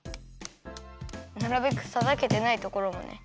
なるべくたたけてないところもね。